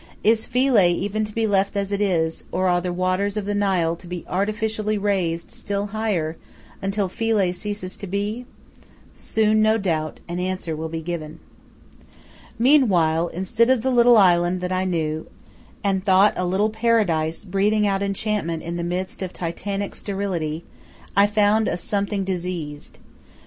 Is Philae even to be left as it is, or are the waters of the Nile to be artificially raised still higher, until Philae ceases to be? Soon, no doubt, an answer will be given. Meanwhile, instead of the little island that I knew, and thought a little paradise breathing out enchantment in the midst of titanic sterility, I found a something diseased.